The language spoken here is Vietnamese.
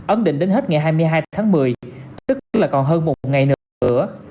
ấn định đến hết ngày hai mươi hai tháng một mươi tức là còn hơn một ngày nữa